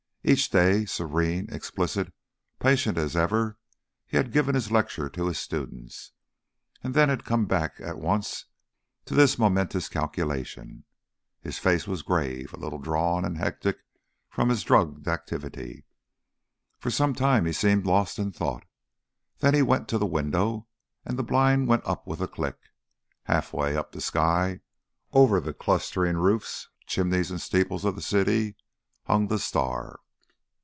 Each day, serene, explicit, patient as ever, he had given his lecture to his students, and then had come back at once to this momentous calculation. His face was grave, a little drawn and hectic from his drugged activity. For some time he seemed lost in thought. Then he went to the window, and the blind went up with a click. Half way up the sky, over the clustering roofs, chimneys and steeples of the city, hung the star.